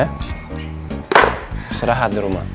israhaat di rumah